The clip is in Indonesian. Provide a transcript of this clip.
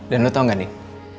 dan lo tau gak nih